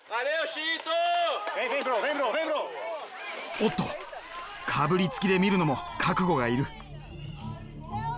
おっとかぶりつきで見るのも覚悟がいる。